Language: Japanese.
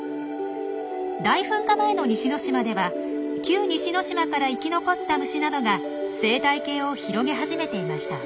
大噴火前の西之島では旧・西之島から生き残った虫などが生態系を広げ始めていました。